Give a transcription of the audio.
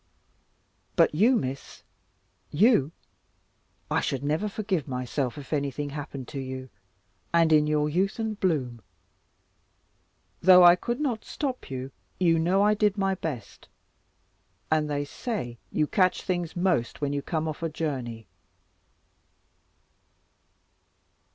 But you, Miss, you; I should never forgive myself, if anything happened to you, and in your youth and bloom. Though I could not stop you, you know I did my best. And they say you catch things most when you come off a journey."